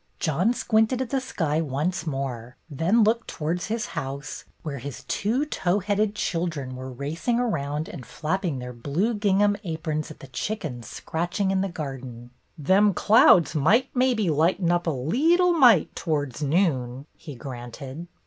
John squinted at the sky once more, then looked towards his house, where his two tow headed children were racing around and flap ping their blue gingham aprons at the chickens scratching in the garden. NODS, BECKS, AND SMILES 73 "Them clouds might maybe lighten up a leetle mite towards noon" he granted.